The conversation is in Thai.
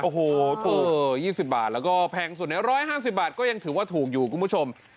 โอ้โหถูก๒๐บาทแล้วก็แพงสุดใน๑๕๐บาทก็ยังถือว่าถูกอยู่คุณผู้ชม